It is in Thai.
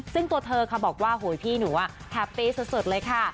ซึ่งตัวเธอค่ะบอกว่าโหยพี่หนูแฮปปี้สุดเลยค่ะ